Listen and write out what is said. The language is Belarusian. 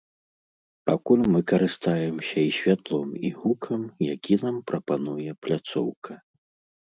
Пакуль мы карыстаемся і святлом і гукам, які нам прапануе пляцоўка.